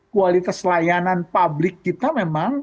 kualitas layanan publik kita memang